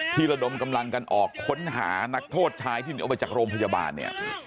ระดมกำลังกันออกค้นหานักโทษชายที่หนีออกไปจากโรงพยาบาลเนี่ย